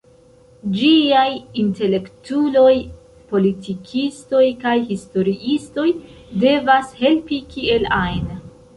Ĝiaj intelektuloj, politikistoj kaj historiistoj devas helpi kiel ajn.